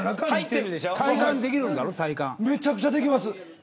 めちゃくちゃできます。